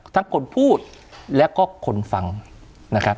คนพูดแล้วก็คนฟังนะครับ